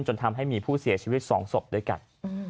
จนทำให้มีผู้เสียชีวิต๒ศพด้วยกัน